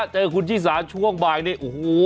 เจอคุณชิสาช่วงบ่ายนี่โอ้โห